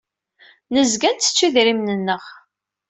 Nezga nttettu idrimen-nneɣ.